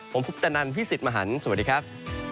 ผมคุปตะนันพี่สิทธิ์มหันฯสวัสดีครับ